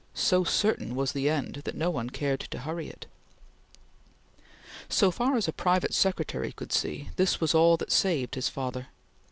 So certain was the end that no one cared to hurry it. So far as a private secretary could see, this was all that saved his father.